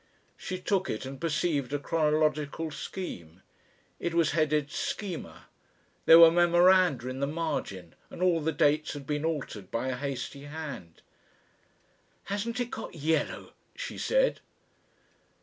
She took it and perceived a chronological scheme. It was headed "SCHEMA," there were memoranda in the margin, and all the dates had been altered by a hasty hand. "Hasn't it got yellow?" she said.